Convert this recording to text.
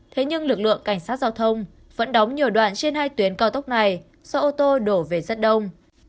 thế nhưng lực lượng cảnh sát giao thông vẫn đóng nhiều đoạn trên hai tuyến cao tốc này do ô tô đổ về rất đông